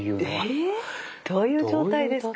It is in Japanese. え⁉どういう状態ですか？